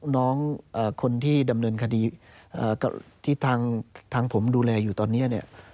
น้องคนที่ดำเนินคดีที่ทางผมดูแลอยู่ตอนนี้เนี่ย